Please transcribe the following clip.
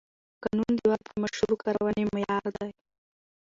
قانون د واک د مشروع کارونې معیار دی.